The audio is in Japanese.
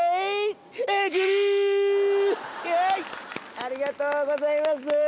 ありがとうございます。